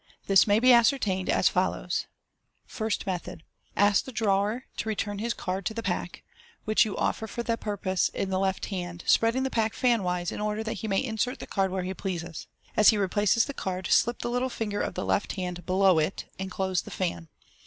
These may be ascertained as follows :— First Method. — Ask the Fig. 22. drawer to return his card to the pack, which you offer for that purpose in the left hand, spreading the pack fan wise, in order that he may insert the card where he pleases. As he replaces the card, slip the little finger of the left hand below it, and close the fan.